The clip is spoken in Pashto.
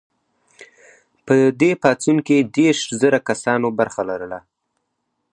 په دې پاڅون کې دیرش زره کسانو برخه لرله.